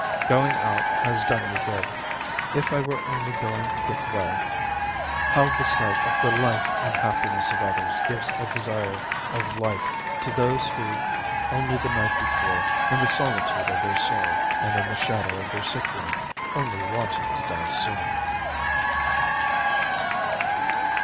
Going out has done me good. If I were only going to get well! How the sight of the life and happiness of others gives a desire of life to those who, only the night before, in the solitude of their soul and in the shadow of their sick room, only wanted to die soon!